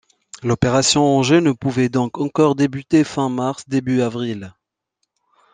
L'opération Anger ne pouvait donc encore débuter fin mars-début avril.